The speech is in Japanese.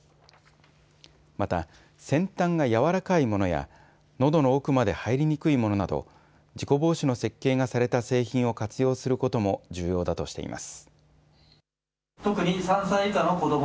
また、先端が柔らかいものやのどの奥まで入りにくいものなど事故防止の設計がされた製品を活用することも重要だとしています。